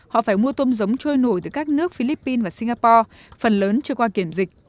họ phải mua tôm giống trôi nổi từ các nước philippines và singapore phần lớn chưa qua kiểm dịch